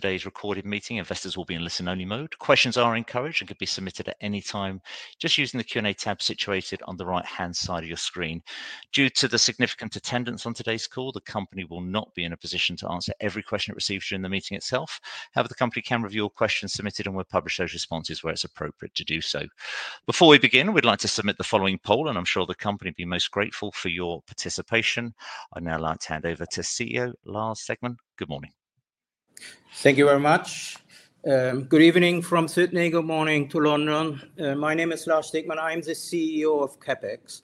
Today's recorded meeting. Investors will be in listen-only mode. Questions are encouraged and can be submitted at any time, just using the Q&A tab situated on the right-hand side of your screen. Due to the significant attendance on today's call, the company will not be in a position to answer every question it receives during the meeting itself. However, the company can review your questions submitted and will publish those responses where it's appropriate to do so. Before we begin, we'd like to submit the following poll, and I'm sure the company would be most grateful for your participation. I'd now like to hand over to CEO Lars Stegmann. Good morning. Thank you very much. Good evening from Sydney. Good morning to London. My name is Lars Stegmann. I'm the CEO of CAP-XX.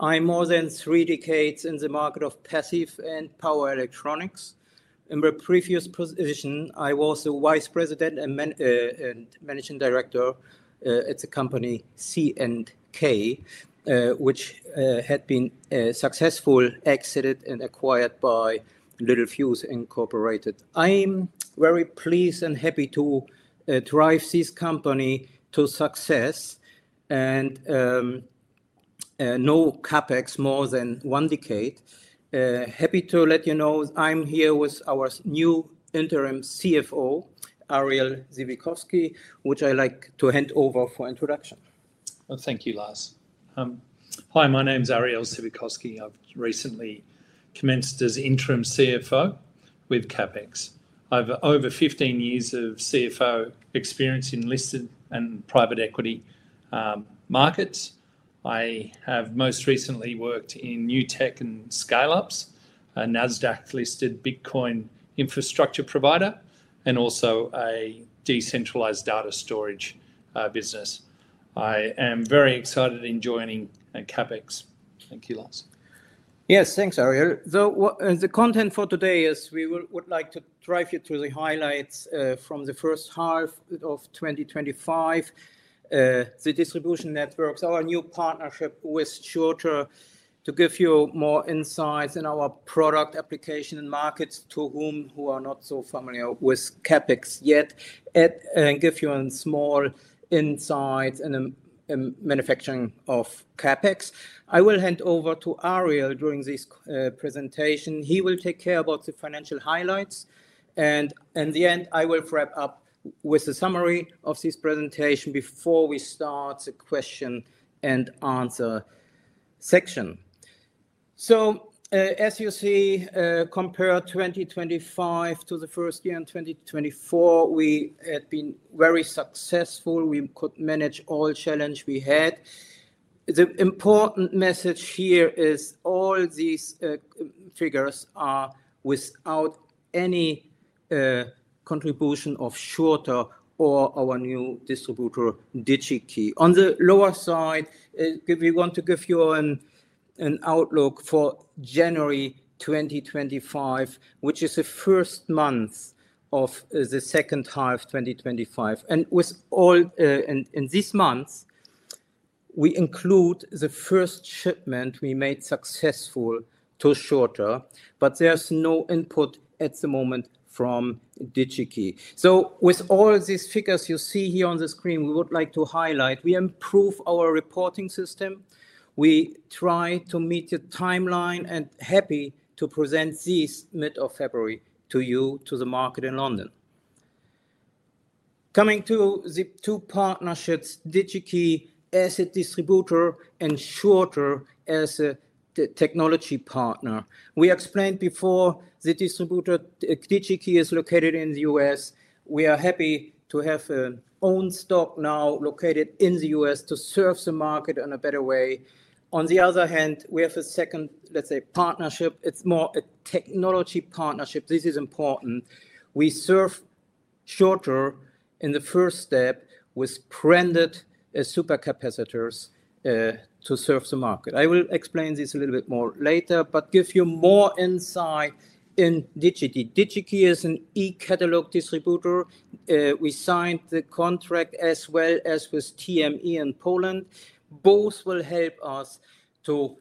I'm more than three decades in the market of passive and power electronics. In my previous position, I was the Vice President and Managing Director at the company C&K, which had been successfully exited and acquired by Littelfuse. I'm very pleased and happy to drive this company to success and know CAP-XX more than one decade. Happy to let you know I'm here with our new interim CFO, Ariel Sivikofsky, which I'd like to hand over for introduction. Thank you, Lars. Hi, my name's Ariel Sivikofsky. I've recently commenced as interim CFO with CAP-XX. I have over 15 years of CFO experience in listed and private equity markets. I have most recently worked in new tech and scale-ups, a Nasdaq-listed Bitcoin infrastructure provider, and also a decentralized data storage business. I am very excited in joining CAP-XX. Thank you, Lars. Yes, thanks, Ariel. The content for today is we would like to drive you through the highlights from the first half of 2025, the distribution networks, our new partnership with SCHURTER, to give you more insights in our product application and markets to whom who are not so familiar with CAP-XX yet, and give you a small insight in the manufacturing of CAP-XX. I will hand over to Ariel during this presentation. He will take care about the financial highlights. In the end, I will wrap up with a summary of this presentation before we start the question and answer section. As you see, compare 2025 to the first year in 2024, we had been very successful. We could manage all challenges we had. The important message here is all these figures are without any contribution of SCHURTER or our new distributor, Digi-Key. On the lower side, we want to give you an outlook for January 2025, which is the first month of the second half of 2025. With all in these months, we include the first shipment we made successful to SCHURTER, but there's no input at the moment from Digi-Key. With all these figures you see here on the screen, we would like to highlight we improve our reporting system. We try to meet the timeline and are happy to present this mid-February to you, to the market in London. Coming to the two partnerships, Digi-Key as a distributor and SCHURTER as a technology partner. We explained before the distributor, Digi-Key is located in the U.S. We are happy to have our own stock now located in the U.S. to serve the market in a better way. On the other hand, we have a second, let's say, partnership. It's more a technology partnership. This is important. We serve SCHURTER in the first step with branded supercapacitors to serve the market. I will explain this a little bit more later, but give you more insight in Digi-Key. Digi-Key is an e-catalog distributor. We signed the contract as well as with TME in Poland. Both will help us to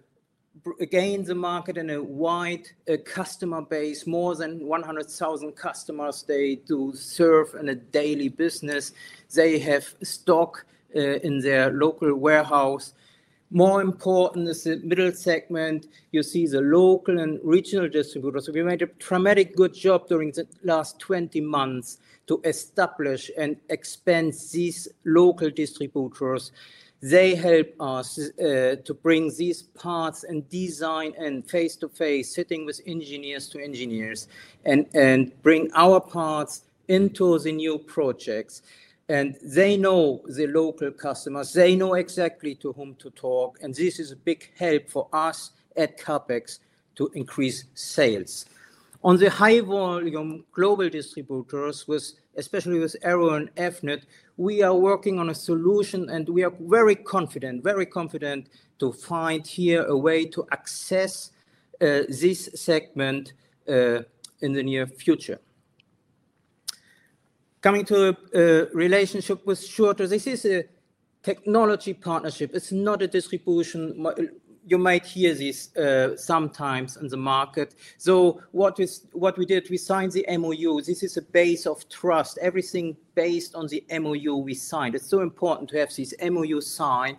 gain the market in a wide customer base, more than 100,000 customers they do serve in a daily business. They have stock in their local warehouse. More important is the middle segment. You see the local and regional distributors. We made a dramatic good job during the last 20 months to establish and expand these local distributors. They help us to bring these parts and design and face-to-face, sitting with engineers to engineers, and bring our parts into the new projects. They know the local customers. They know exactly to whom to talk. This is a big help for us at CAP-XX to increase sales. On the high-volume global distributors, especially with Arrow and Avnet, we are working on a solution, and we are very confident, very confident to find here a way to access this segment in the near future. Coming to the relationship with SCHURTER, this is a technology partnership. It is not a distribution. You might hear this sometimes in the market. What we did, we signed the MoU. This is a base of trust. Everything based on the MoU we signed. It is so important to have this MoU signed.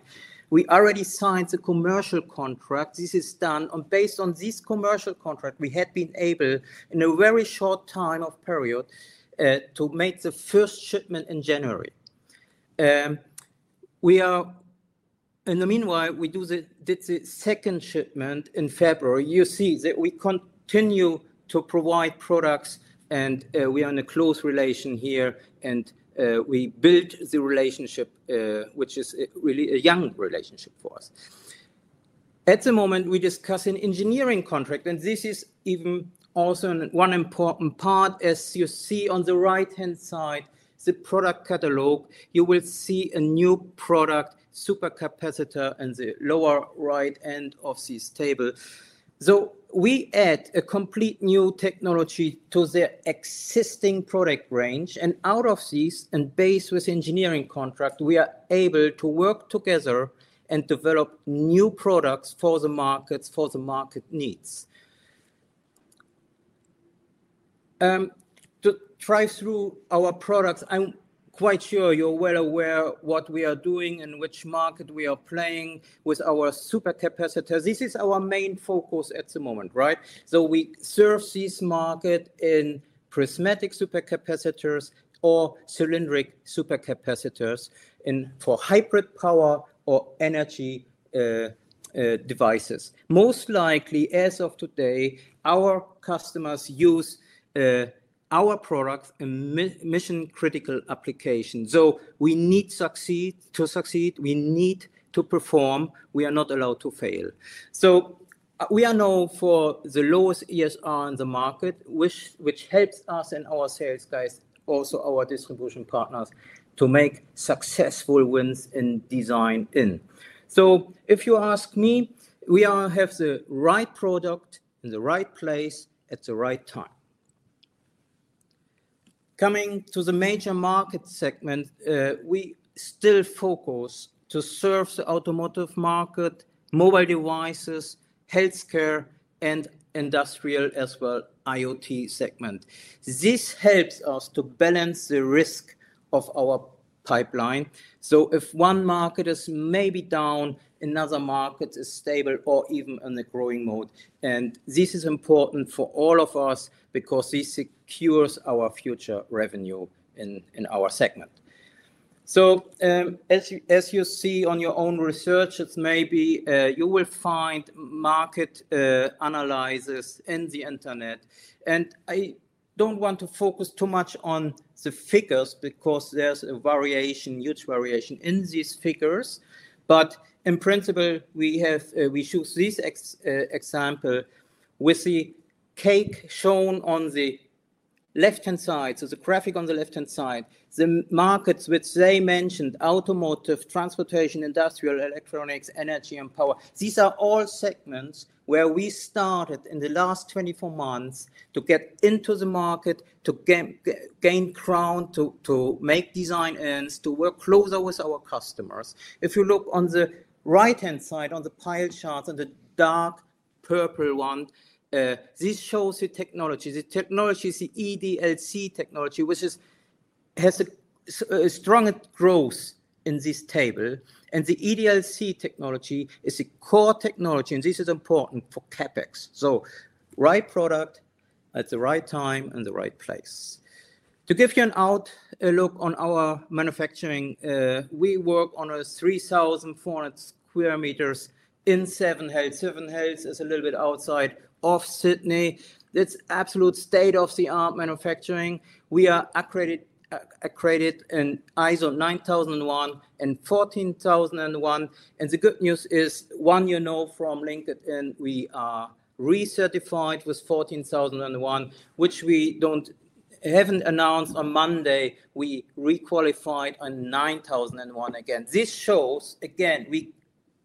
We already signed the commercial contract. This is done. Based on this commercial contract, we had been able, in a very short time of period, to make the first shipment in January. In the meanwhile, we did the second shipment in February. You see that we continue to provide products, and we are in a close relation here, and we built the relationship, which is really a young relationship for us. At the moment, we're discussing an engineering contract, and this is even also one important part. As you see on the right-hand side, the product catalog, you will see a new product, supercapacitor, in the lower right-hand end of this table. We add a complete new technology to the existing product range. Out of this, and based with the engineering contract, we are able to work together and develop new products for the markets, for the market needs. To try through our products, I'm quite sure you're well aware of what we are doing and which market we are playing with our supercapacitors. This is our main focus at the moment, right? We serve this market in prismatic supercapacitors or cylindrical supercapacitors for hybrid power or energy devices. Most likely, as of today, our customers use our products in mission-critical applications. We need to succeed. We need to perform. We are not allowed to fail. We are known for the lowest ESR in the market, which helps us and our sales guys, also our distribution partners, to make successful wins in design. If you ask me, we have the right product in the right place at the right time. Coming to the major market segment, we still focus on serving the automotive market, mobile devices, healthcare, and industrial as well as IoT segment. This helps us to balance the risk of our pipeline. If one market is maybe down, another market is stable or even in a growing mode. This is important for all of us because this secures our future revenue in our segment. As you see on your own research, maybe you will find market analysis on the internet. I do not want to focus too much on the figures because there is a variation, huge variation in these figures. In principle, we choose this example with the cake shown on the left-hand side. The graphic on the left-hand side, the markets which they mentioned, automotive, transportation, industrial, electronics, energy, and power. These are all segments where we started in the last 24 months to get into the market, to gain ground, to make design earns, to work closer with our customers. If you look on the right-hand side on the pie chart and the dark purple one, this shows the technology. The technology is the EDLC technology, which has a strong growth in this table. The EDLC technology is a core technology, and this is important for CAP-XX. Right product at the right time and the right place. To give you an outlook on our manufacturing, we work on a 3,400 square meters in Seven Hills. Seven Hills is a little bit outside of Sydney. It is absolute state-of-the-art manufacturing. We are accredited in ISO 9001 and ISO 14001. The good news is, one year ago from LinkedIn, we are recertified with ISO 14001, which we have not announced on Monday. We requalified on ISO 9001 again. This shows, again, we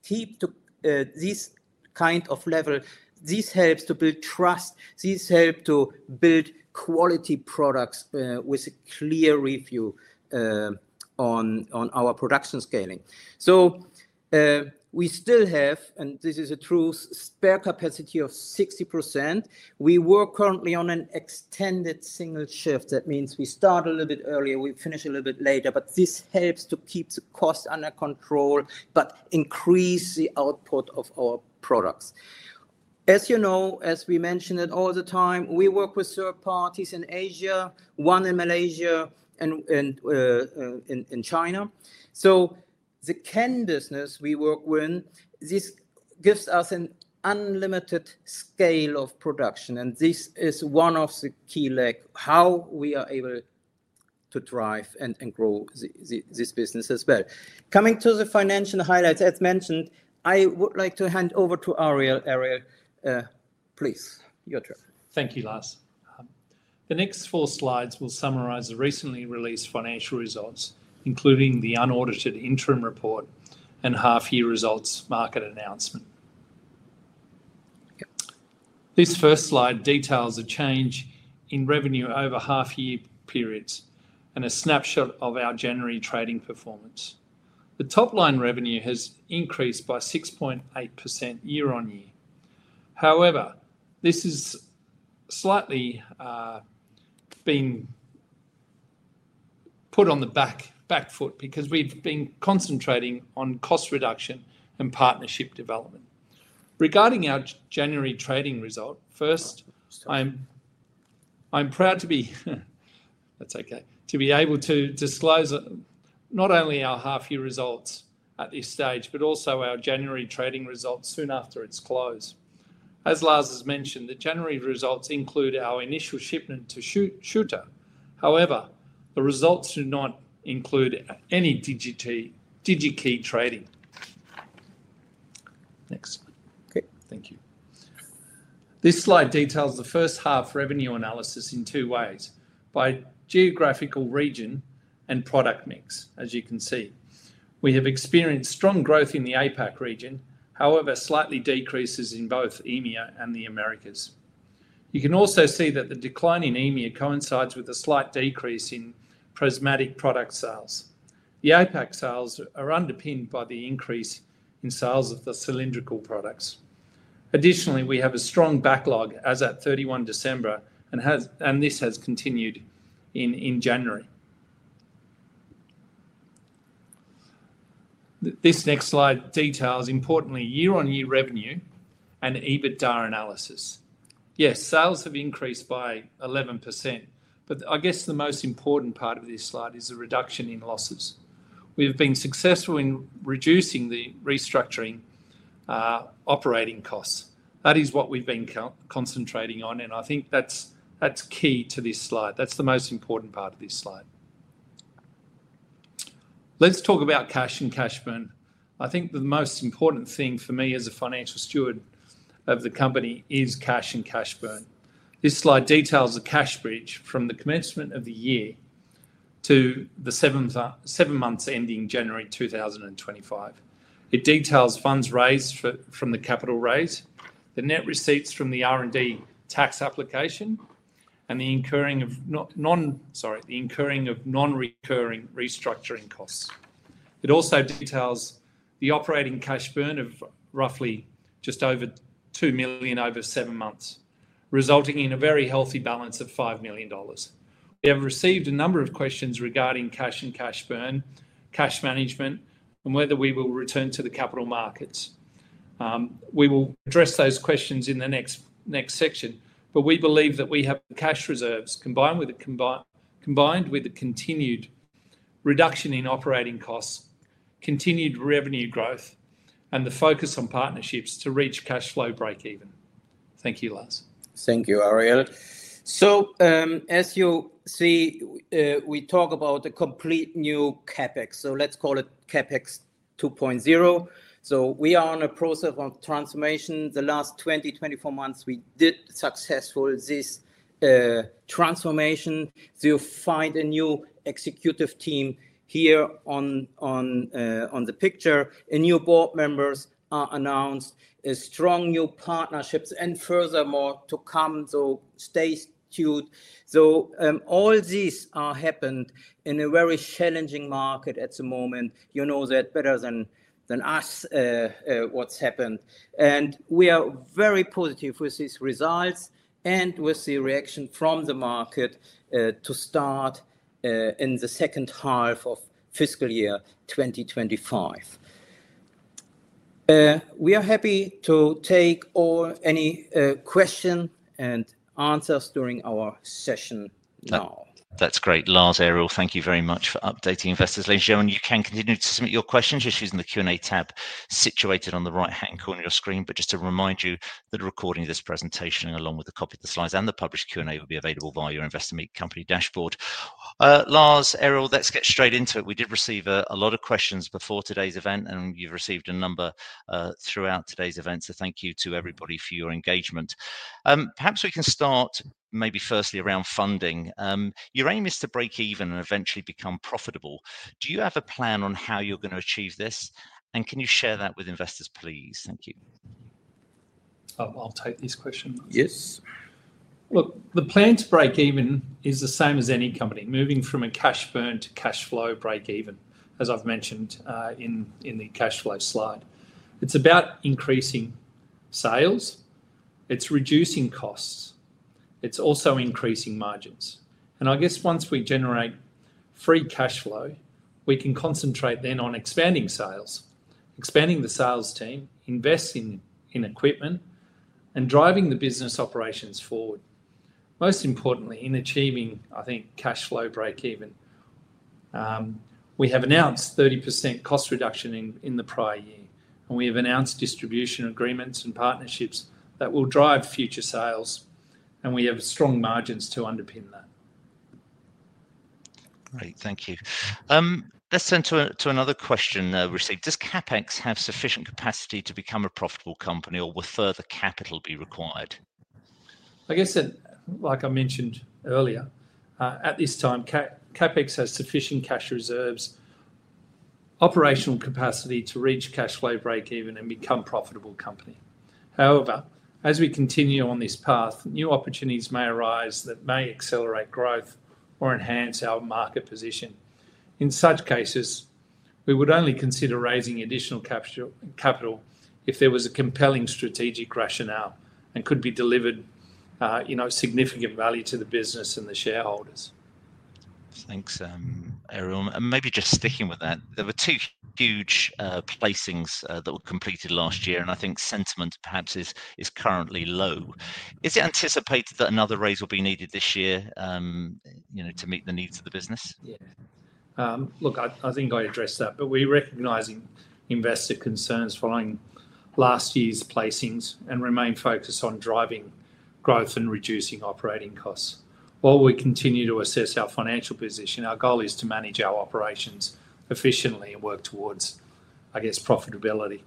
keep to this kind of level. This helps to build trust. This helps to build quality products with a clear review on our production scaling. We still have, and this is the truth, spare capacity of 60%. We work currently on an extended single shift. That means we start a little bit earlier, we finish a little bit later, but this helps to keep the cost under control but increase the output of our products. As you know, as we mentioned all the time, we work with third parties in Asia, one in Malaysia, and in China. The CAP-XX business we work with, this gives us an unlimited scale of production. This is one of the key legs how we are able to drive and grow this business as well. Coming to the financial highlights, as mentioned, I would like to hand over to Ariel. Ariel, please, your turn. Thank you, Lars. The next four slides will summarize the recently released financial results, including the unaudited interim report and half-year results market announcement. This first slide details a change in revenue over half-year periods and a snapshot of our January trading performance. The top-line revenue has increased by 6.8% year-on-year. However, this has slightly been put on the back foot because we've been concentrating on cost reduction and partnership development. Regarding our January trading result, first, I'm proud to be, that's okay, to be able to disclose not only our half-year results at this stage, but also our January trading results soon after its close. As Lars has mentioned, the January results include our initial shipment to SCHURTER. However, the results do not include any Digi-Key trading. Next slide. Okay, thank you. This slide details the first half revenue analysis in two ways, by geographical region and product mix, as you can see. We have experienced strong growth in the APAC region, however, slight decreases in both EMEA and the Americas. You can also see that the decline in EMEA coincides with a slight decrease in prismatic product sales. The APAC sales are underpinned by the increase in sales of the cylindrical products. Additionally, we have a strong backlog as at 31 December, and this has continued in January. This next slide details, importantly, year-on-year revenue and EBITDA analysis. Yes, sales have increased by 11%, but I guess the most important part of this slide is the reduction in losses. We have been successful in reducing the restructuring operating costs. That is what we've been concentrating on, and I think that's key to this slide. That's the most important part of this slide. Let's talk about cash and cash burn. I think the most important thing for me as a financial steward of the company is cash and cash burn. This slide details the cash bridge from the commencement of the year to the seven months ending January 2025. It details funds raised from the capital raise, the net receipts from the R&D tax application, and the incurring of non-recurring restructuring costs. It also details the operating cash burn of roughly just over 2 million over seven months, resulting in a very healthy balance of 5 million dollars. We have received a number of questions regarding cash and cash burn, cash management, and whether we will return to the capital markets. We will address those questions in the next section, but we believe that we have cash reserves combined with the continued reduction in operating costs, continued revenue growth, and the focus on partnerships to reach cash flow break-even. Thank you, Lars. Thank you, Ariel. As you see, we talk about a complete new CAP-XX. Let's call it CAP-XX 2.0. We are in a process of transformation. The last 20-24 months, we did successful this transformation. You find a new executive team here on the picture. New board members are announced, strong new partnerships, and furthermore to come, so stay tuned. All these have happened in a very challenging market at the moment. You know that better than us what's happened. We are very positive with these results and with the reaction from the market to start in the second half of fiscal year 2025. We are happy to take any questions and answers during our session now. That's great. Lars, Ariel, thank you very much for updating investors. Ladies, gentlemen, you can continue to submit your questions. You're choosing the Q&A tab situated on the right-hand corner of your screen. Just to remind you that the recording of this presentation, along with a copy of the slides and the published Q&A, will be available via your Investor Meet Company dashboard. Lars, Ariel, let's get straight into it. We did receive a lot of questions before today's event, and you've received a number throughout today's event. Thank you to everybody for your engagement. Perhaps we can start maybe firstly around funding. Your aim is to break even and eventually become profitable. Do you have a plan on how you're going to achieve this? Can you share that with investors, please? Thank you. I'll take this question. Yes. Look, the plan to break even is the same as any company, moving from a cash burn to cash flow break-even, as I've mentioned in the cash flow slide. It's about increasing sales. It's reducing costs. It's also increasing margins. I guess once we generate free cash flow, we can concentrate then on expanding sales, expanding the sales team, investing in equipment, and driving the business operations forward. Most importantly, in achieving, I think, cash flow break-even, we have announced 30% cost reduction in the prior year. We have announced distribution agreements and partnerships that will drive future sales. We have strong margins to underpin that. Great. Thank you. Let's turn to another question we received. Does CAP-XX have sufficient capacity to become a profitable company, or will further capital be required? I guess that, like I mentioned earlier, at this time, CAP-XX has sufficient cash reserves, operational capacity to reach cash flow break-even, and become a profitable company. However, as we continue on this path, new opportunities may arise that may accelerate growth or enhance our market position. In such cases, we would only consider raising additional capital if there was a compelling strategic rationale and could be delivered significant value to the business and the shareholders. Thanks, Ariel. Maybe just sticking with that, there were two huge placings that were completed last year, and I think sentiment perhaps is currently low. Is it anticipated that another raise will be needed this year to meet the needs of the business? Yeah. Look, I think I addressed that, but we're recognizing investor concerns following last year's placings and remain focused on driving growth and reducing operating costs. While we continue to assess our financial position, our goal is to manage our operations efficiently and work towards, I guess, profitability.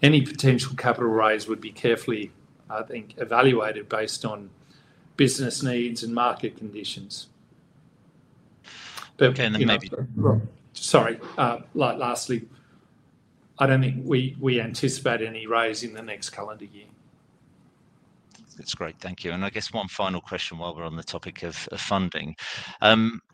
Any potential capital raise would be carefully, I think, evaluated based on business needs and market conditions. Okay. Sorry. Lastly, I don't think we anticipate any raise in the next calendar year. That's great. Thank you. I guess one final question while we're on the topic of funding.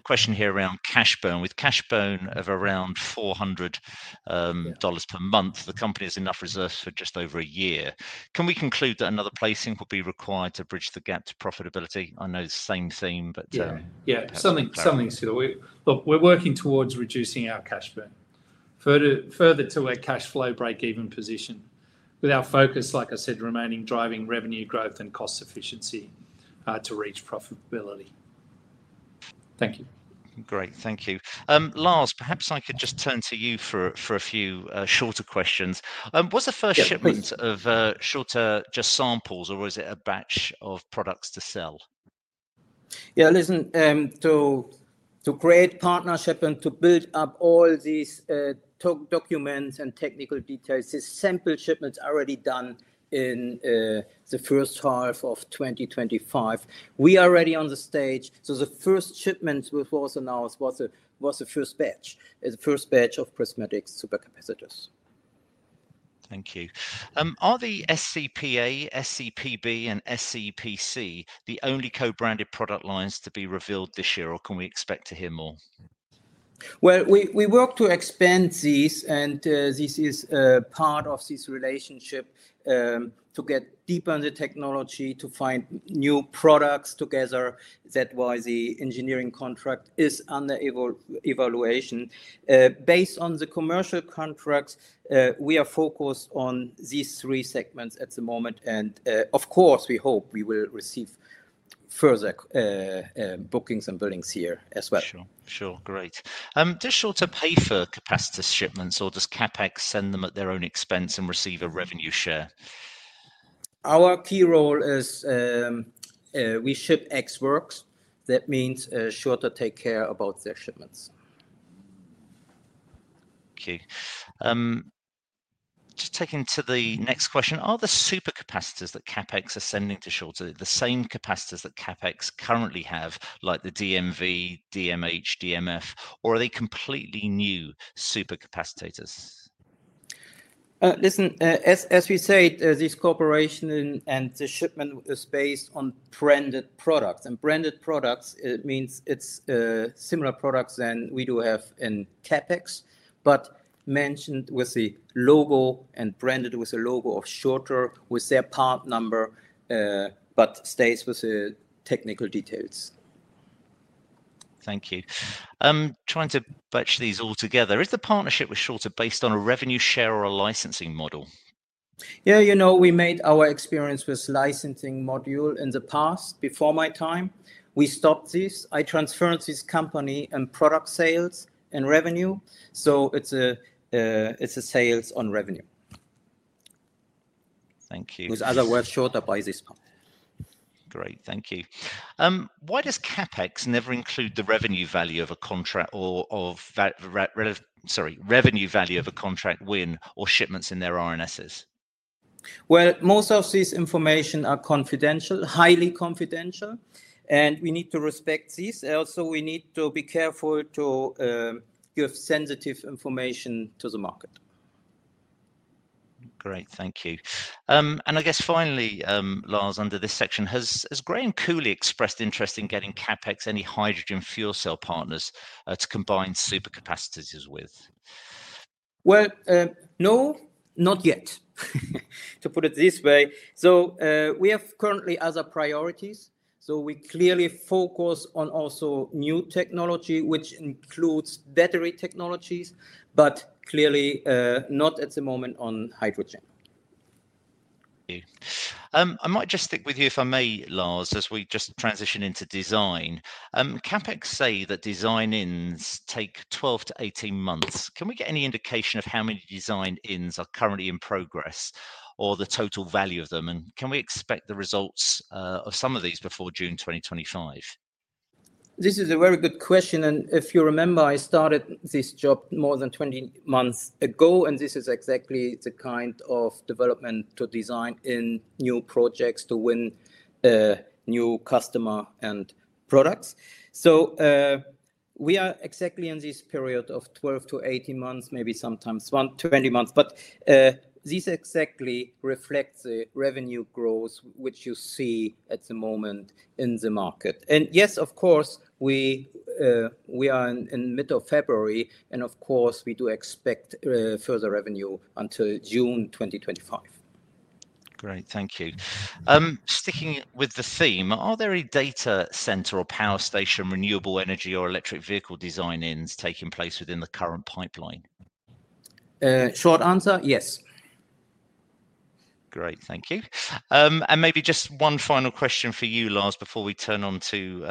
Question here around cash burn. With cash burn of around 400,000 dollars per month, the company has enough reserves for just over a year. Can we conclude that another placing will be required to bridge the gap to profitability? I know it's the same theme, but. Yeah. Yeah. Something similar. Look, we're working towards reducing our cash burn further to a cash flow break-even position, with our focus, like I said, remaining driving revenue growth and cost efficiency to reach profitability. Thank you. Great. Thank you. Lars, perhaps I could just turn to you for a few shorter questions. Was the first shipment of SCHURTER just samples, or was it a batch of products to sell? Yeah. Listen, to create partnership and to build up all these documents and technical details, this sample shipment's already done in the first half of 2025. We are already on the stage. The first shipment was announced was the first batch, the first batch of prismatic supercapacitors. Thank you. Are the SCPA, SCPB, and SCPC the only co-branded product lines to be revealed this year, or can we expect to hear more? We work to expand these, and this is part of this relationship to get deeper into technology, to find new products together. That is why the engineering contract is under evaluation. Based on the commercial contracts, we are focused on these three segments at the moment. Of course, we hope we will receive further bookings and billings here as well. Sure. Sure. Great. Does SCHURTER pay for capacity shipments, or does CAP-XX send them at their own expense and receive a revenue share? Our key role is we ship ex works. That means SCHURTER takes care about their shipments. Okay. Just taking to the next question. Are the supercapacitors that CAP-XX are sending to SCHURTER the same capacitors that CAP-XX currently have, like the DMV, DMH, DMF, or are they completely new supercapacitors? Listen, as we said, this cooperation and the shipment is based on branded products. Branded products, it means it's similar products than we do have in CAP-XX, but mentioned with the logo and branded with a logo of SCHURTER with their part number, but stays with the technical details. Thank you. Trying to butch these all together. Is the partnership with SCHURTER based on a revenue share or a licensing model? Yeah. You know, we made our experience with licensing module in the past before my time. We stopped this. I transferred this company and product sales and revenue. So, it's a sales on revenue. Thank you. With other words, SCHURTER buys this part. Great. Thank you. Why does CAP-XX never include the revenue value of a contract or, sorry, revenue value of a contract win or shipments in their RNSs? Most of this information is confidential, highly confidential, and we need to respect this. Also, we need to be careful to give sensitive information to the market. Great. Thank you. I guess finally, Lars, under this section, has Graham Cooley expressed interest in getting CAP-XX any hydrogen fuel cell partners to combine supercapacitors with? No, not yet, to put it this way. We have currently other priorities. We clearly focus on also new technology, which includes battery technologies, but clearly not at the moment on hydrogen. I might just stick with you if I may, Lars, as we just transition into design. CAP-XX say that design ins take 12-18 months. Can we get any indication of how many design ins are currently in progress or the total value of them? Can we expect the results of some of these before June 2025? This is a very good question. If you remember, I started this job more than 20 months ago, and this is exactly the kind of development to design in new projects to win new customers and products. We are exactly in this period of 12-18 months, maybe sometimes 20 months. These exactly reflect the revenue growth, which you see at the moment in the market. Yes, of course, we are in the middle of February, and of course, we do expect further revenue until June 2025. Great. Thank you. Sticking with the theme, are there any data center or power station renewable energy or electric vehicle design ins taking place within the current pipeline? Short answer, yes. Great. Thank you. Maybe just one final question for you, Lars, before we turn on to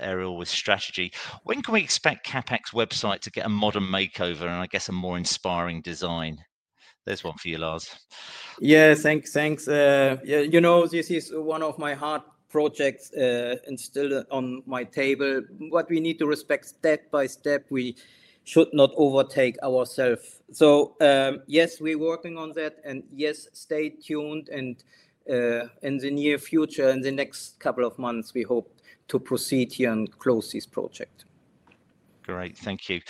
Ariel with strategy. When can we expect CAP-XX website to get a modern makeover and, I guess, a more inspiring design? There's one for you, Lars. Yeah. Thanks. You know, this is one of my hard projects still on my table. What we need to respect step by step, we should not overtake ourselves. Yes, we're working on that. Yes, stay tuned. In the near future, in the next couple of months, we hope to proceed here and close this project. Great. Thank you.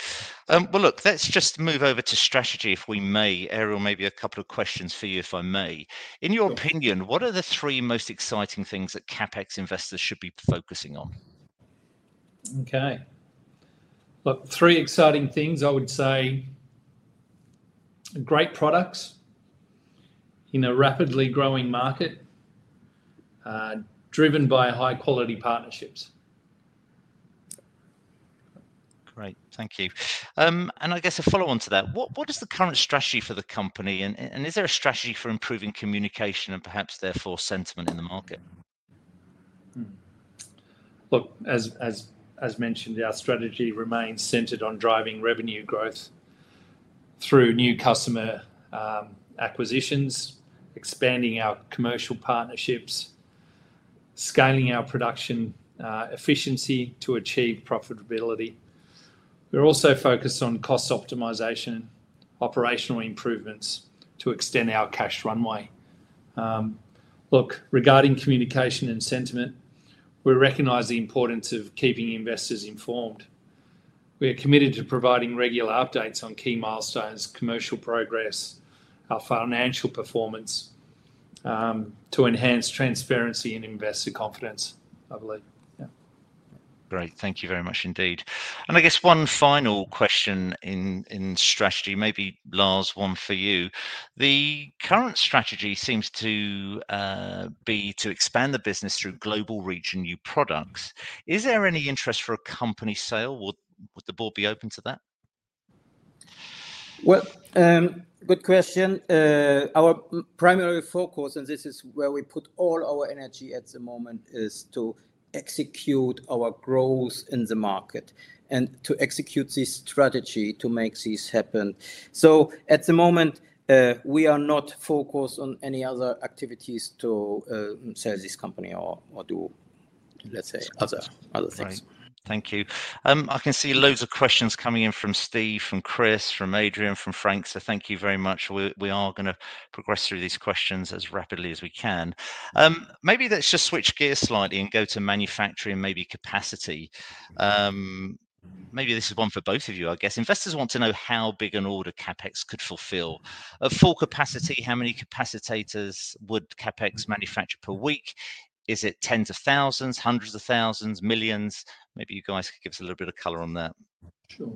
Look, let's just move over to strategy, if we may. Ariel, maybe a couple of questions for you, if I may. In your opinion, what are the three most exciting things that CAP-XX investors should be focusing on? Okay. Look, three exciting things, I would say. Great products in a rapidly growing market driven by high-quality partnerships. Great. Thank you. I guess a follow-on to that, what is the current strategy for the company? Is there a strategy for improving communication and perhaps therefore sentiment in the market? Look, as mentioned, our strategy remains centered on driving revenue growth through new customer acquisitions, expanding our commercial partnerships, scaling our production efficiency to achieve profitability. We're also focused on cost optimization, operational improvements to extend our cash runway. Look, regarding communication and sentiment, we recognize the importance of keeping investors informed. We are committed to providing regular updates on key milestones, commercial progress, our financial performance to enhance transparency and investor confidence, I believe. Great. Thank you very much indeed. I guess one final question in strategy, maybe Lars one for you. The current strategy seems to be to expand the business through global region new products. Is there any interest for a company sale? Would the board be open to that? Our primary focus, and this is where we put all our energy at the moment, is to execute our growth in the market and to execute this strategy to make this happen. At the moment, we are not focused on any other activities to sell this company or do, let's say, other things. Thank you. I can see loads of questions coming in from Steve, from Chris, from Adrian, from Frank. Thank you very much. We are going to progress through these questions as rapidly as we can. Maybe let's just switch gears slightly and go to manufacturing and maybe capacity. Maybe this is one for both of you, I guess. Investors want to know how big an order CAP-XX could fulfill. At full capacity, how many capacitors would CAP-XX manufacture per week? Is it tens of thousands, hundreds of thousands, millions? Maybe you guys could give us a little bit of color on that. Sure.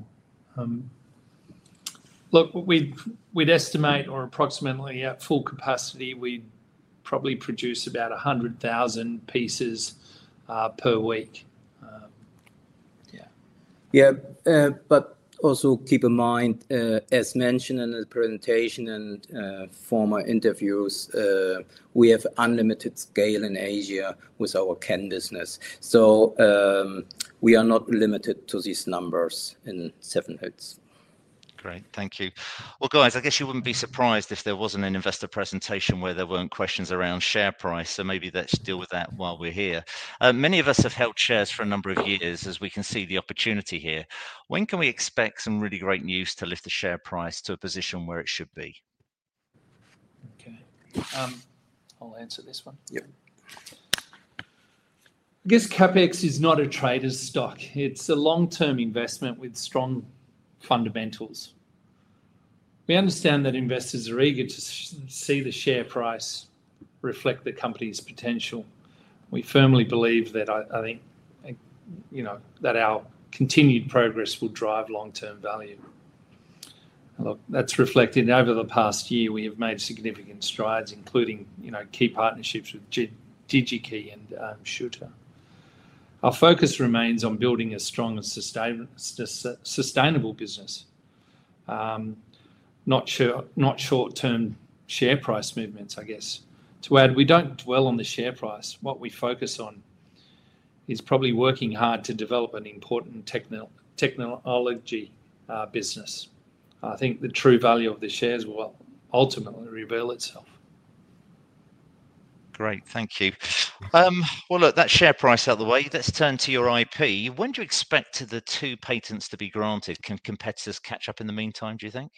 Look, we'd estimate or approximately at full capacity, we'd probably produce about 100,000 pieces per week. Yeah. Yeah. Also keep in mind, as mentioned in the presentation and former interviews, we have unlimited scale in Asia with our can business. We are not limited to these numbers in Seven Hills. Great. Thank you. Guys, I guess you wouldn't be surprised if there wasn't an investor presentation where there weren't questions around share price. Maybe let's deal with that while we're here. Many of us have held shares for a number of years, as we can see the opportunity here. When can we expect some really great news to lift the share price to a position where it should be? Okay. I'll answer this one. Yep. I guess CAP-XX is not a trader's stock. It's a long-term investment with strong fundamentals. We understand that investors are eager to see the share price reflect the company's potential. We firmly believe that our continued progress will drive long-term value. Look, that's reflected over the past year. We have made significant strides, including key partnerships with Digi-Key and SCHURTER. Our focus remains on building a strong and sustainable business, not short-term share price movements, I guess. To add, we don't dwell on the share price. What we focus on is probably working hard to develop an important technology business. I think the true value of the shares will ultimately reveal itself. Great. Thank you. Look, that share price out of the way, let's turn to your IP. When do you expect the two patents to be granted? Can competitors catch up in the meantime, do you think?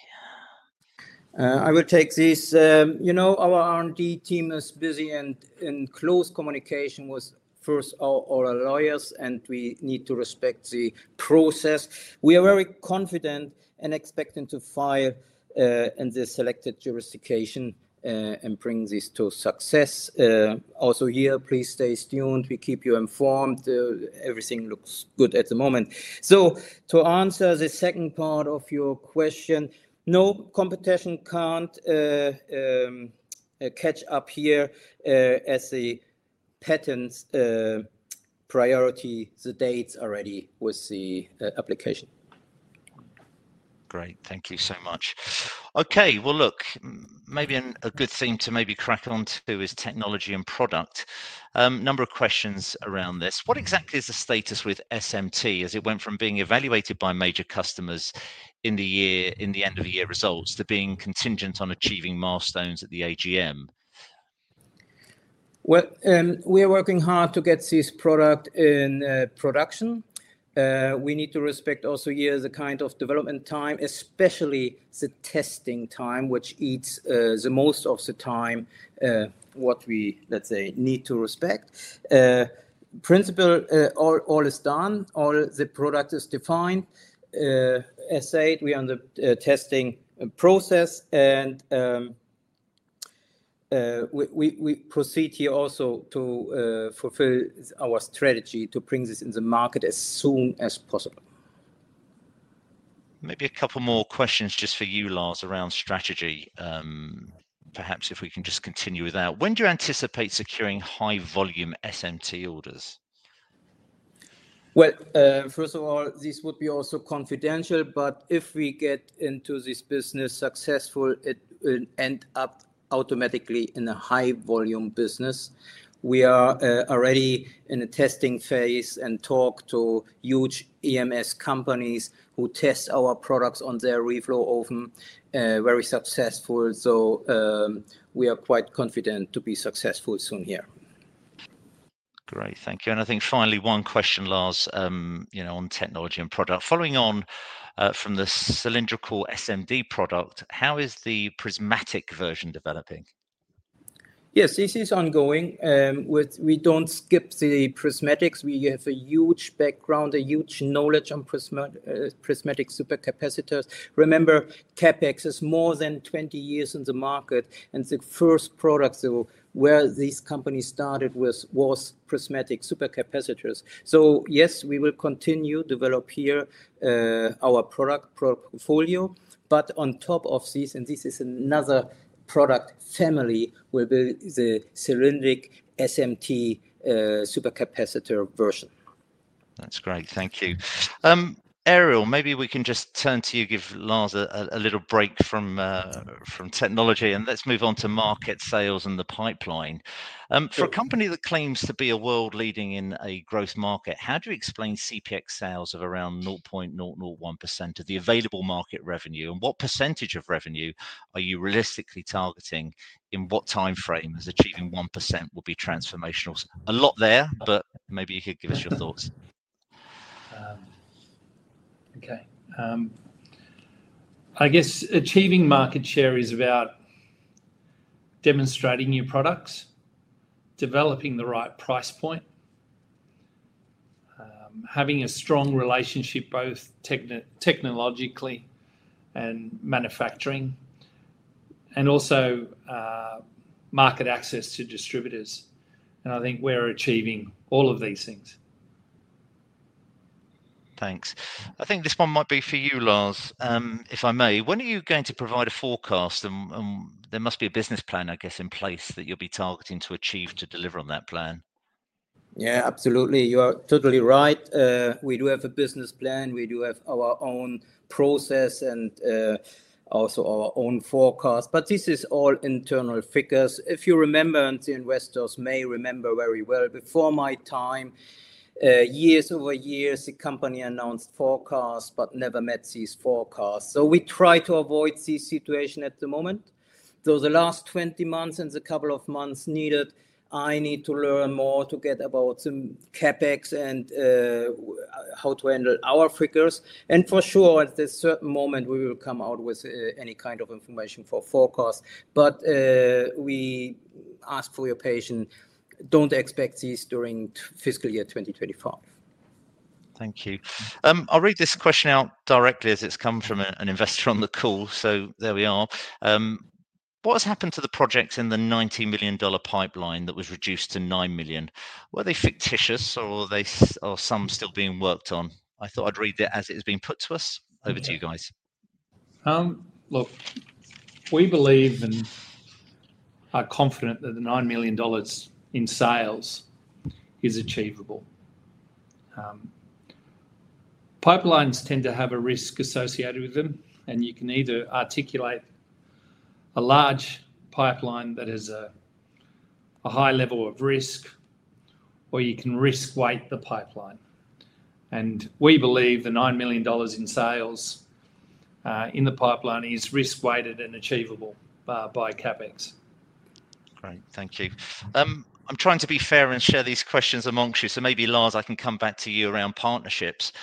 I would take this. You know, our R&D team is busy and in close communication with, first, all our lawyers, and we need to respect the process. We are very confident and expecting to file in the selected jurisdiction and bring this to success. Also, here, please stay tuned. We keep you informed. Everything looks good at the moment. To answer the second part of your question, no competition can't catch up here as the patents priority the dates already with the application. Great. Thank you so much. Okay. Maybe a good thing to maybe crack on to is technology and product. Number of questions around this. What exactly is the status with SMT as it went from being evaluated by major customers in the end of the year results to being contingent on achieving milestones at the AGM? We are working hard to get this product in production. We need to respect also here the kind of development time, especially the testing time, which eats the most of the time what we, let's say, need to respect. Principal, all is done. All the product is defined. As said, we are in the testing process, and we proceed here also to fulfill our strategy to bring this in the market as soon as possible. Maybe a couple more questions just for you, Lars, around strategy. Perhaps if we can just continue with that. When do you anticipate securing high-volume SMT orders? First of all, this would be also confidential, but if we get into this business successful, it will end up automatically in a high-volume business. We are already in a testing phase and talk to huge EMS companies who test our products on their reflow oven, very successful. We are quite confident to be successful soon here. Great. Thank you. I think finally, one question, Lars, on technology and product. Following on from the cylindrical SMD product, how is the prismatic version developing? Yes, this is ongoing. We don't skip the prismatics. We have a huge background, a huge knowledge on prismatic supercapacitors. Remember, CAP-XX is more than 20 years in the market, and the first product where this company started with was prismatic supercapacitors. Yes, we will continue to develop here our product portfolio. On top of this, and this is another product family, we'll build the cylindric SMT supercapacitor version. That's great. Thank you. Ariel, maybe we can just turn to you, give Lars a little break from technology, and let's move on to market sales and the pipeline. For a company that claims to be a world leader in a growth market, how do you explain CAP-XX sales of around 0.001% of the available market revenue, and what percentage of revenue are you realistically targeting in what time frame as achieving 1% will be transformational? A lot there, but maybe you could give us your thoughts. Okay. I guess achieving market share is about demonstrating your products, developing the right price point, having a strong relationship both technologically and manufacturing, and also market access to distributors. I think we're achieving all of these things. Thanks. I think this one might be for you, Lars, if I may. When are you going to provide a forecast? There must be a business plan, I guess, in place that you'll be targeting to achieve to deliver on that plan. Yeah, absolutely. You are totally right. We do have a business plan. We do have our own process and also our own forecast. This is all internal figures. If you remember, and the investors may remember very well, before my time, years over years, the company announced forecasts but never met these forecasts. We try to avoid this situation at the moment. The last 20 months and the couple of months needed, I need to learn more to get about some CAP-XX and how to handle our figures. For sure, at a certain moment, we will come out with any kind of information for forecasts. We ask for your patience. Do not expect this during fiscal year 2025. Thank you. I'll read this question out directly as it's come from an investor on the call. There we are. What has happened to the projects in the $90 million pipeline that was reduced to $9 million? Were they fictitious, or are some still being worked on? I thought I'd read it as it has been put to us. Over to you guys. Look, we believe and are confident that the $9 million in sales is achievable. Pipelines tend to have a risk associated with them, and you can either articulate a large pipeline that has a high level of risk, or you can risk-weight the pipeline. We believe the $9 million in sales in the pipeline is risk-weighted and achievable by CAP-XX. Great. Thank you. I'm trying to be fair and share these questions amongst you. Maybe, Lars, I can come back to you around partnerships.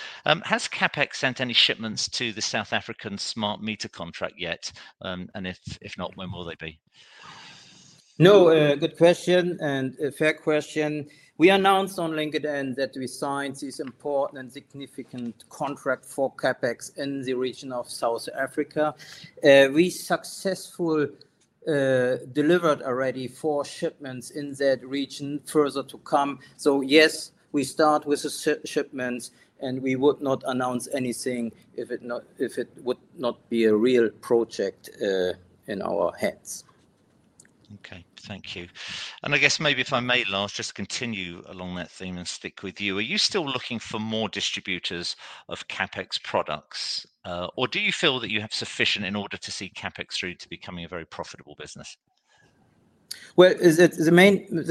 Has CAP-XX sent any shipments to the South African Smart Meter contract yet? If not, when will they be? No. Good question and fair question. We announced on LinkedIn that we signed this important and significant contract for CAP-XX in the region of South Africa. We successfully delivered already four shipments in that region, further to come. Yes, we start with shipments, and we would not announce anything if it would not be a real project in our hands. Okay. Thank you. I guess maybe if I may, Lars, just continue along that theme and stick with you. Are you still looking for more distributors of CAP-XX products, or do you feel that you have sufficient in order to see CAP-XX through to becoming a very profitable business? The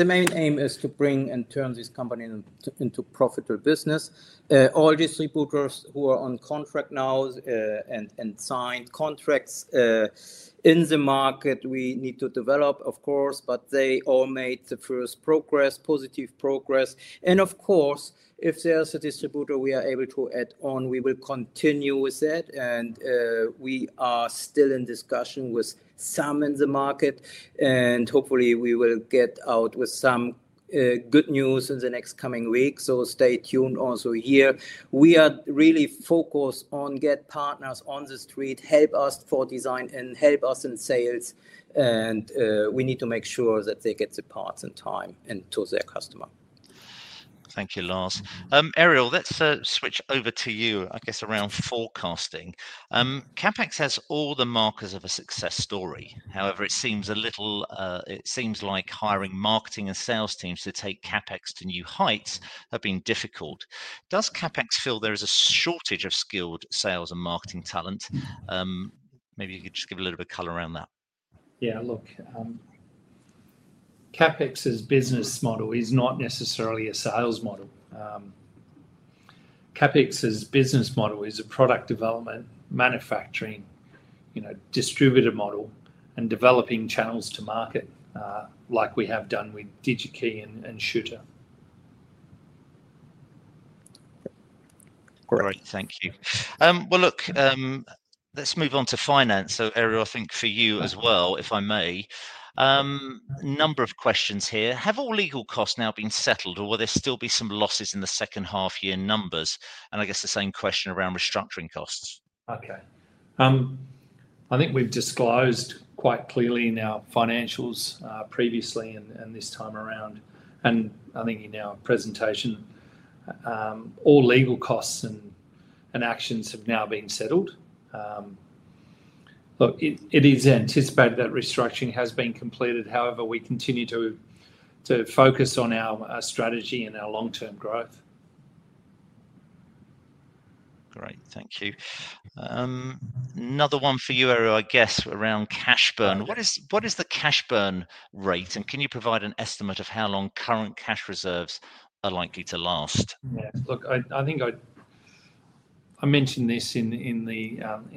main aim is to bring and turn this company into a profitable business. All distributors who are on contract now and signed contracts in the market, we need to develop, of course, but they all made the first progress, positive progress. If there is a distributor we are able to add on, we will continue with that. We are still in discussion with some in the market, and hopefully, we will get out with some good news in the next coming week. Stay tuned also here. We are really focused on getting partners on the street, helping us for design and helping us in sales. We need to make sure that they get the parts in time and to their customer. Thank you, Lars. Ariel, let's switch over to you, I guess, around forecasting. CAP-XX has all the markers of a success story. However, it seems a little—it seems like hiring marketing and sales teams to take CAP-XX to new heights has been difficult. Does CAP-XX feel there is a shortage of skilled sales and marketing talent? Maybe you could just give a little bit of color around that. Yeah. Look, CAP-XX's business model is not necessarily a sales model. CAP-XX's business model is a product development, manufacturing, distributor model, and developing channels to market like we have done with Digi-Key and SCHURTER. Great. Thank you. Look, let's move on to finance. Ariel, I think for you as well, if I may. A number of questions here. Have all legal costs now been settled, or will there still be some losses in the second half-year numbers? I guess the same question around restructuring costs. Okay. I think we've disclosed quite clearly in our financials previously and this time around, and I think in our presentation, all legal costs and actions have now been settled. Look, it is anticipated that restructuring has been completed. However, we continue to focus on our strategy and our long-term growth. Great. Thank you. Another one for you, Ariel, I guess, around cash burn. What is the cash burn rate, and can you provide an estimate of how long current cash reserves are likely to last? Yeah. Look, I think I mentioned this in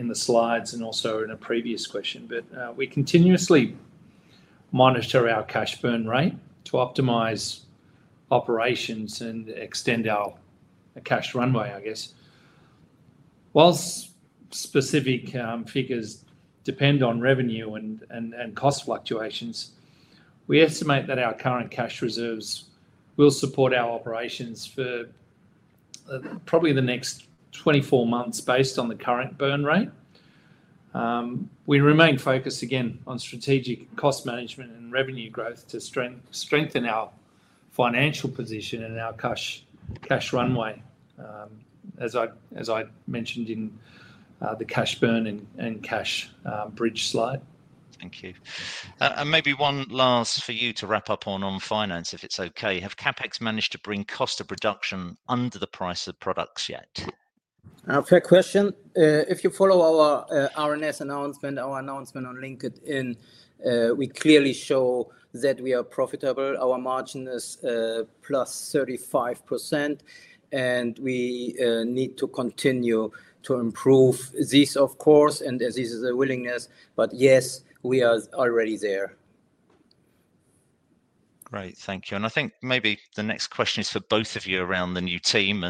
the slides and also in a previous question, but we continuously monitor our cash burn rate to optimize operations and extend our cash runway, I guess. Whilst specific figures depend on revenue and cost fluctuations, we estimate that our current cash reserves will support our operations for probably the next 24 months based on the current burn rate. We remain focused, again, on strategic cost management and revenue growth to strengthen our financial position and our cash runway, as I mentioned in the cash burn and cash bridge slide. Thank you. Maybe one last for you to wrap up on finance, if it's okay. Have CAP-XX managed to bring cost of production under the price of products yet? Fair question. If you follow our RNS announcement, our announcement on LinkedIn, we clearly show that we are profitable. Our margin is plus 35%, and we need to continue to improve this, of course, and this is a willingness. Yes, we are already there. Great. Thank you. I think maybe the next question is for both of you around the new team.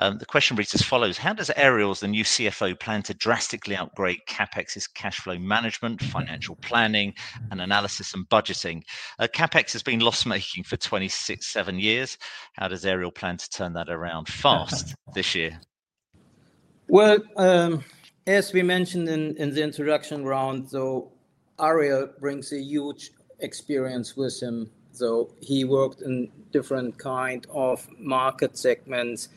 The question reads as follows: How does Ariel, the new CFO, plan to drastically upgrade CAP-XX's cash flow management, financial planning, and analysis and budgeting? CAP-XX has been loss-making for 26, 27 years. How does Ariel plan to turn that around fast this year? As we mentioned in the introduction round, Ariel brings a huge experience with him. He worked in different kinds of market segments,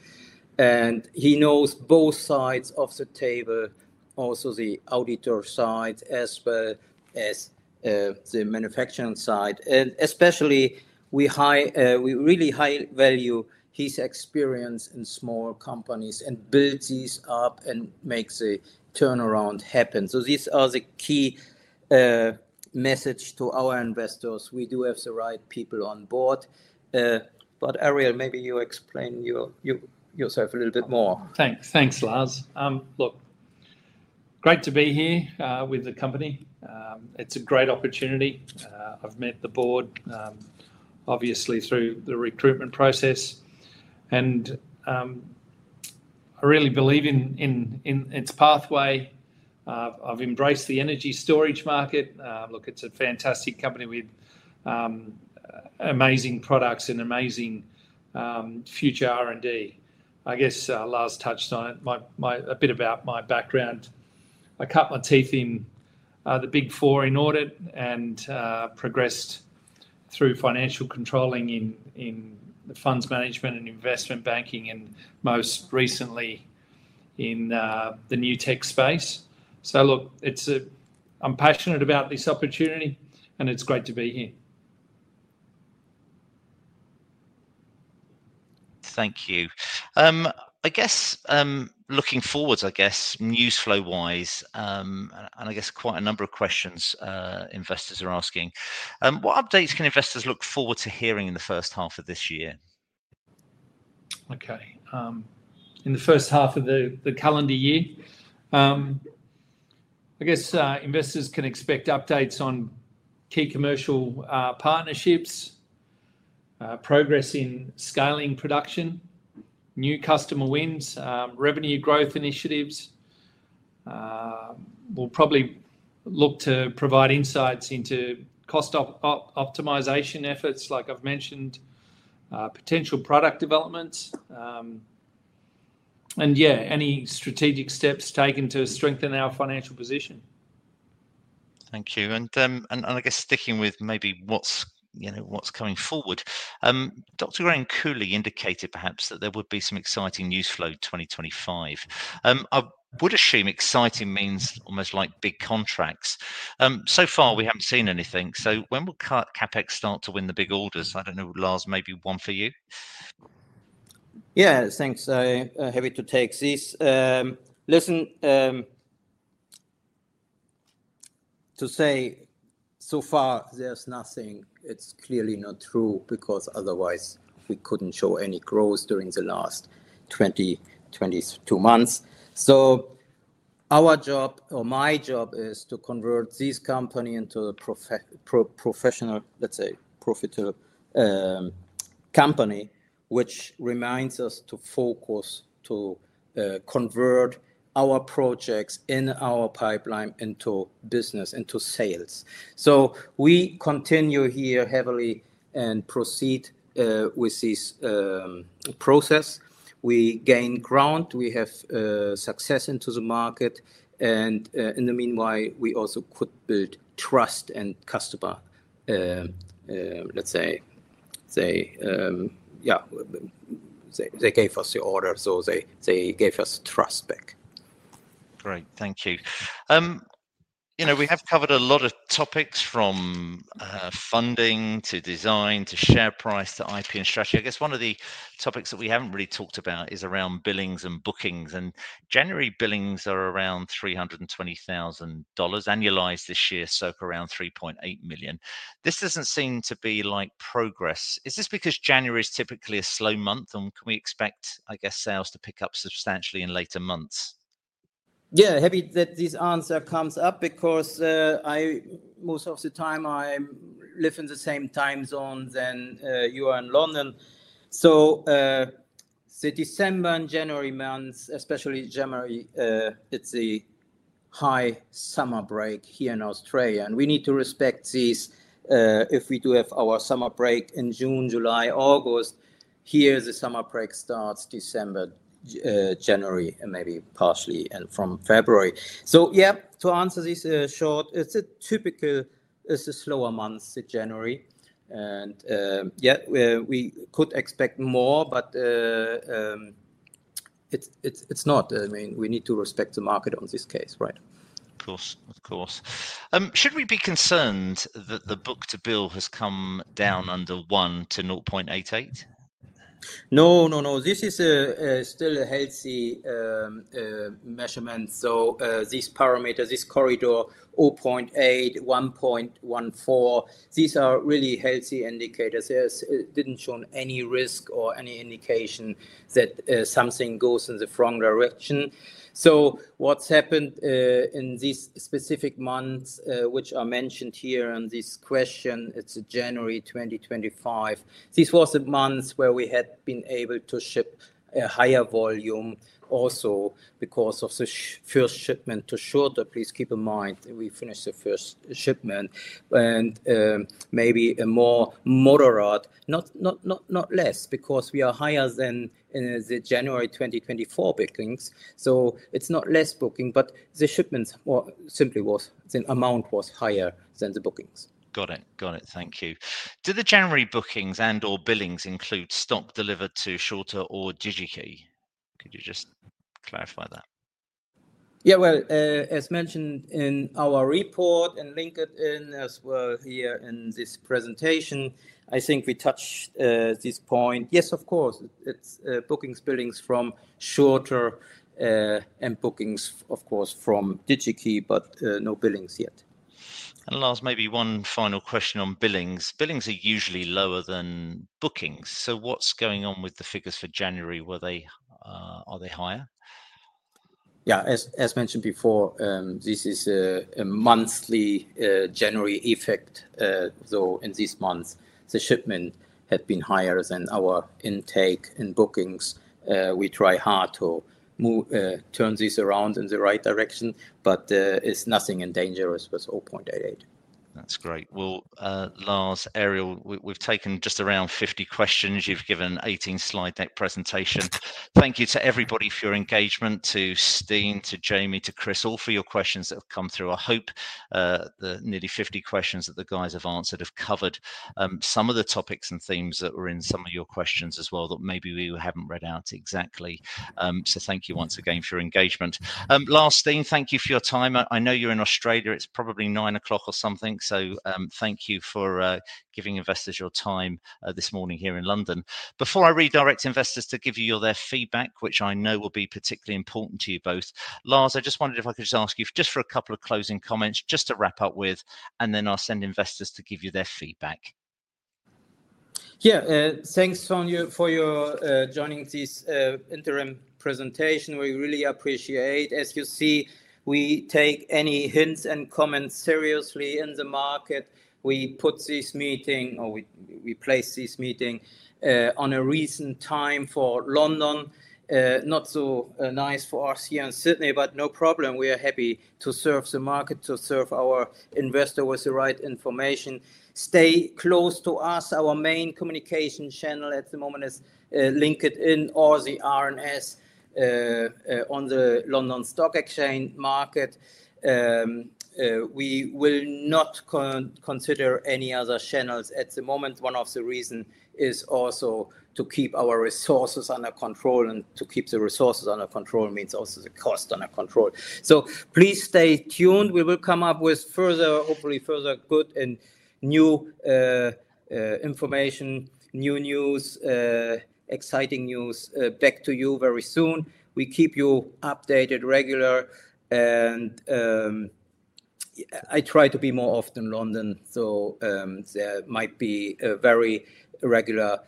and he knows both sides of the table, also the auditor side as well as the manufacturing side. Especially, we really highly value his experience in small companies and build these up and make the turnaround happen. These are the key messages to our investors. We do have the right people on board. Ariel, maybe you explain yourself a little bit more. Thanks, Lars. Look, great to be here with the company. It's a great opportunity. I've met the board, obviously, through the recruitment process. I really believe in its pathway. I've embraced the energy storage market. Look, it's a fantastic company with amazing products and amazing future R&D. I guess Lars touched on it a bit about my background. I cut my teeth in the Big Four in audit and progressed through financial controlling in the funds management and investment banking, and most recently in the new tech space. Look, I'm passionate about this opportunity, and it's great to be here. Thank you. I guess looking forward, I guess, news flow-wise, and I guess quite a number of questions investors are asking. What updates can investors look forward to hearing in the first half of this year? Okay. In the first half of the calendar year, I guess investors can expect updates on key commercial partnerships, progress in scaling production, new customer wins, revenue growth initiatives. We'll probably look to provide insights into cost optimization efforts, like I've mentioned, potential product developments, and yeah, any strategic steps taken to strengthen our financial position. Thank you. I guess sticking with maybe what's coming forward, Dr. Graham Cooley indicated perhaps that there would be some exciting news flow in 2025. I would assume exciting means almost like big contracts. So far, we haven't seen anything. When will CAP-XX start to win the big orders? I don't know, Lars, maybe one for you? Yeah. Thanks. Happy to take this. Listen, to say so far there's nothing, it's clearly not true because otherwise we couldn't show any growth during the last 22 months. Our job, or my job, is to convert this company into a professional, let's say, profitable company, which reminds us to focus to convert our projects in our pipeline into business, into sales. We continue here heavily and proceed with this process. We gain ground. We have success into the market. In the meanwhile, we also could build trust and customer, let's say, yeah, they gave us the order, so they gave us trust back. Great. Thank you. We have covered a lot of topics from funding to design to share price to IP and strategy. I guess one of the topics that we haven't really talked about is around billings and bookings. January billings are around $320,000 annualized this year, so around $3.8 million. This doesn't seem to be like progress. Is this because January is typically a slow month, and can we expect, I guess, sales to pick up substantially in later months? Yeah. Happy that this answer comes up because most of the time I live in the same time zone that you are in London. The December and January months, especially January, it's a high summer break here in Australia. We need to respect this if we do have our summer break in June, July, August. Here, the summer break starts December, January, and maybe partially from February. Yeah, to answer this short, it's a typical, it's a slower month, January. Yeah, we could expect more, but it's not. I mean, we need to respect the market on this case, right? Of course. Of course. Should we be concerned that the book to bill has come down under 1 to 0.88? No, no, no. This is still a healthy measurement. This parameter, this corridor, 0.8-1.14, these are really healthy indicators. It did not show any risk or any indication that something goes in the wrong direction. What happened in these specific months, which are mentioned here on this question, is January 2025. This was a month where we had been able to ship a higher volume also because of the first shipment to SCHURTER. Please keep in mind we finished the first shipment. Maybe a more moderate, not less, because we are higher than the January 2024 bookings. It is not less booking, but the shipments simply was, the amount was higher than the bookings. Got it. Got it. Thank you. Do the January bookings and/or billings include stock delivered to SCHURTER or Digi-Key? Could you just clarify that? Yeah. As mentioned in our report and LinkedIn as well here in this presentation, I think we touched this point. Yes, of course. It's bookings, billings from SCHURTER, and bookings, of course, from Digi-Key, but no billings yet. Lars, maybe one final question on billings. Billings are usually lower than bookings. What is going on with the figures for January? Are they higher? Yeah. As mentioned before, this is a monthly January effect. In this month, the shipment had been higher than our intake in bookings. We try hard to turn this around in the right direction, but it's nothing endangerous with 0.88. That's great. Lars, Ariel, we've taken just around 50 questions. You've given an 18-slide deck presentation. Thank you to everybody for your engagement, to Steen, to Jamie, to Chris, all for your questions that have come through. I hope the nearly 50 questions that the guys have answered have covered some of the topics and themes that were in some of your questions as well that maybe we haven't read out exactly. Thank you once again for your engagement. Lars, Steen, thank you for your time. I know you're in Australia. It's probably 9:00 or something. Thank you for giving investors your time this morning here in London. Before I redirect investors to give you their feedback, which I know will be particularly important to you both, Lars, I just wondered if I could just ask you for a couple of closing comments just to wrap up with, and then I'll send investors to give you their feedback. Yeah. Thanks, Sonia, for joining this interim presentation. We really appreciate. As you see, we take any hints and comments seriously in the market. We put this meeting, or we place this meeting on a recent time for London. Not so nice for us here in Sydney, but no problem. We are happy to serve the market, to serve our investor with the right information. Stay close to us. Our main communication channel at the moment is LinkedIn or the R&S on the London Stock Exchange market. We will not consider any other channels at the moment. One of the reasons is also to keep our resources under control, and to keep the resources under control means also the cost under control. Please stay tuned. We will come up with further, hopefully further good and new information, new news, exciting news back to you very soon. We keep you updated regular. I try to be more often in London, so there might be very regular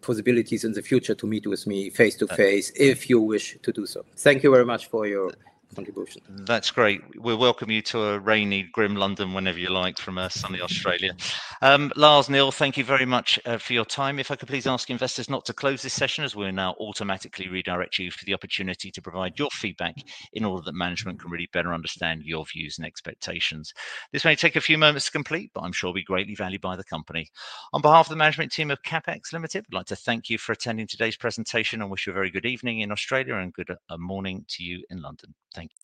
possibilities in the future to meet with me face to face if you wish to do so. Thank you very much for your contribution. That's great. We welcome you to a rainy, grim London whenever you like from us, sunny Australia. Lars, Ariel, thank you very much for your time. If I could please ask investors not to close this session as we'll now automatically redirect you for the opportunity to provide your feedback in order that management can really better understand your views and expectations. This may take a few moments to complete, but I'm sure it'll be greatly valued by the company. On behalf of the management team of CAP-XX Limited, we'd like to thank you for attending today's presentation and wish you a very good evening in Australia and a good morning to you in London. Thank you.